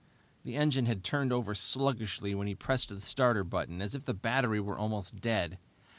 The engine had turned over sluggishly when he pressed the starter button, as if the battery were almost dead.